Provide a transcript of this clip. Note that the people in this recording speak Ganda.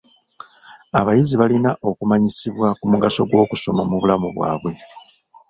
Abayizi balina okumanyisibwa ku mugaso gw'okusoma mu bulamu bwabwe.